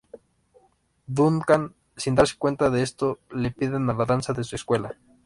Duncan, sin darse cuenta de esto, le pide a la danza de su escuela.